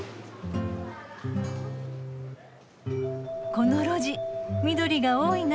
この路地緑が多いな。